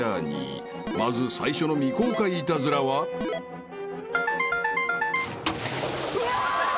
［まず最初の未公開イタズラは］うわ！